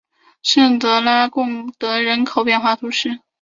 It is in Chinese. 圣拉德贡德人口变化图示